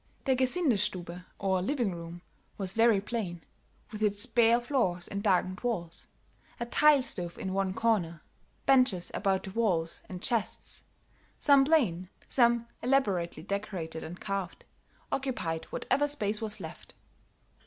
The Gesindestube, or living room, was very plain, with its bare floors and darkened walls; a tile stove in one corner, benches about the walls and chests, some plain, some elaborately decorated and carved, occupied whatever space was left.